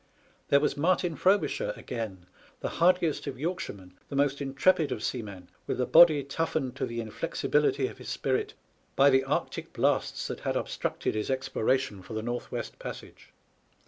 There was Martin Fro bisher, again, the hardiest of Yorkshiremen, the most 298 SPANISH ARMADA, intrepid of seamen, with a body toughened to the in flexibility of his spirit by the Arctic blasts that had obstructed his exploration for the North West Passage.